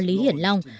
lý hiển long